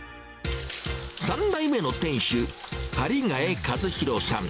３代目の店主、張替一弘さん。